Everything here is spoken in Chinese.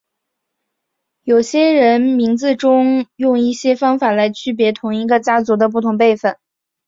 有些人名字中用一些方法来区别同一个家族的不同辈分。